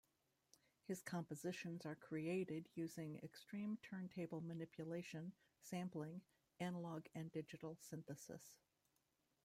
His compositions are created using extreme turntable manipulation, sampling, analog and digital synthesis.